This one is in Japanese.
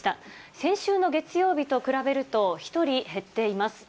先週の月曜日と比べると、１人減っています。